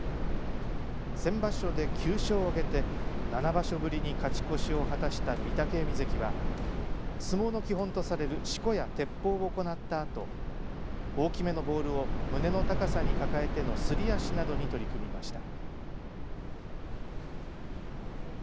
先場所で９勝を挙げて７場所ぶりに勝ち越しを果たした御嶽海関は相撲の基本とされるしこやてっぽうを行ったあと大きめのボールを胸の高さに抱えてのすり足などに取り組みました。